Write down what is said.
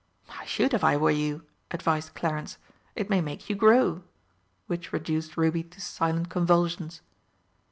"I should, if I were you," advised Clarence; "it may make you grow!" which reduced Ruby to silent convulsions.